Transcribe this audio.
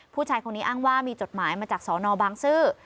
ผู้ชายคนนี้อ้างว่ามีจดหมายมาจากสนบางซื่อ